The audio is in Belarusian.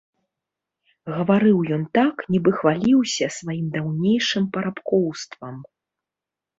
Гаварыў ён так, нібы хваліўся сваім даўнейшым парабкоўствам.